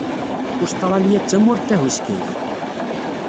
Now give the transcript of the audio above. Ustṛalya d tamurt tahuskayt.